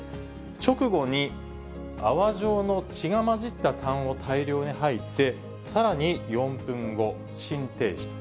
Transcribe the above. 直後に、泡状の血が混じったたんを大量に吐いて、さらに４分後、心停止。